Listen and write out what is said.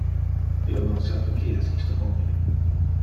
Io non sape qui es iste homine.